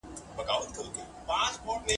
ايا سياستوال د خلکو غږ اوري؟